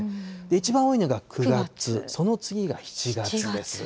一番多いのが９月、その次が７月です。